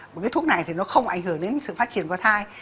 một cái thuốc này thì nó không ảnh hưởng đến sự phát triển của thai